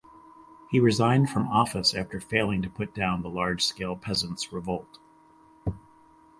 He resigned from office after failing to put down the large-scale peasants' revolt.